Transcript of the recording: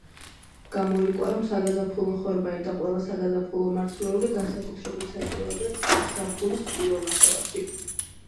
გამოირკვა, რომ საგაზაფხულო ხორბალი და ყველა საგაზაფხულო მარცვლეული განსაკუთრებით საჭიროებენ წყალს ზაფხულის პირველ ნახევარში.